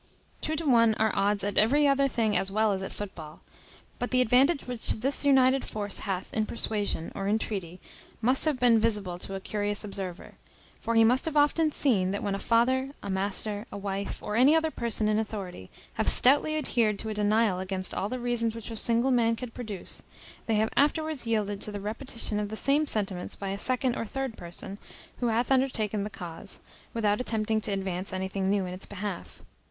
Two to one are odds at every other thing as well as at foot ball. But the advantage which this united force hath in persuasion or entreaty must have been visible to a curious observer; for he must have often seen, that when a father, a master, a wife, or any other person in authority, have stoutly adhered to a denial against all the reasons which a single man could produce, they have afterwards yielded to the repetition of the same sentiments by a second or third person, who hath undertaken the cause, without attempting to advance anything new in its behalf.